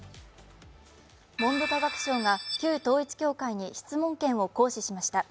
文部科学省が旧統一教会に質問権を行使しました。